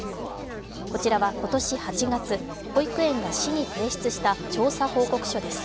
こちらは今年８月、保育園が市に提出した調査報告書です。